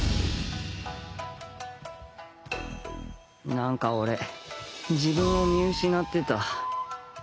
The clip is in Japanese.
何か俺自分を見失ってた